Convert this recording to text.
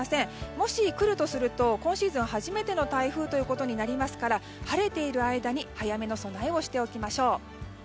もし来るとすると今シーズン初めての台風ということになりますから晴れている間に早めの備えをしておきましょう。